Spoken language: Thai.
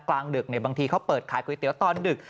กลางดึกบางทีเขาเปิดขายก๋วยเตี๋ยวตอนดึก